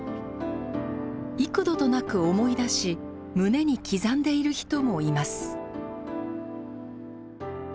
幾度となく思い出し胸に刻んでいる人もいます。